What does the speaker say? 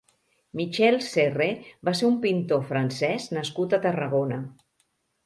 Michel Serre va ser un pintor francès nascut a Tarragona.